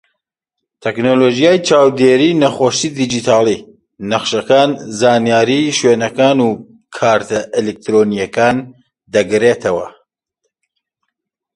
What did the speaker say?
تەکنەلۆژیای چاودێری نەخۆشی دیجیتاڵی، نەخشەکان، زانیاری شوێنەکان و کارتە ئەلیکترۆنیەکان دەگرێتەوە.